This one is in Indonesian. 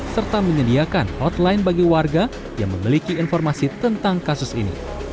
serta menyediakan hotline bagi warga yang memiliki informasi tentang kasus ini